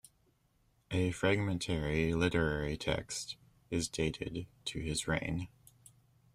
A fragmentary literary text is dated to his reign.